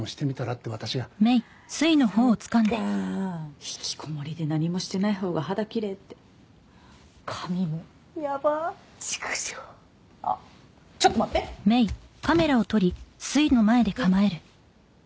って私がそっか引きこもりで何もしてないほうが肌きれいって髪もやばっチクショウあっちょっと待ってえっ？